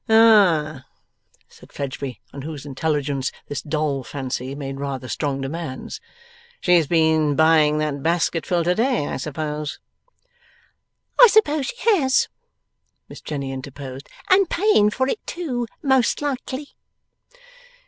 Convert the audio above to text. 'Ah!' said Fledgeby, on whose intelligence this doll fancy made rather strong demands; 'she's been buying that basketful to day, I suppose?' 'I suppose she has,' Miss Jenny interposed; 'and paying for it too, most likely!